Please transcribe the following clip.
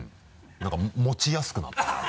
なんか持ちやすくなった。